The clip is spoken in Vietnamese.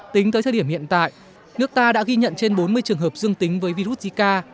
tính tới thời điểm hiện tại nước ta đã ghi nhận trên bốn mươi trường hợp dương tính với virus zika